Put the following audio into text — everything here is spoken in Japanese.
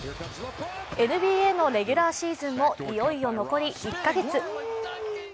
ＮＢＡのレギュラーシーズンもいよいよ残り１カ月。